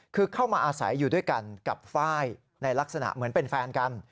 คือเข้ามาอาศัยอยู่ด้วยกันกับไฟล์ในลักษณะเหมือนเป็นแฟนกัน